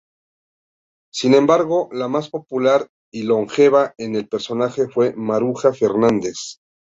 Sin embargo la más popular y longeva en el personaje fue Maruja Fernández.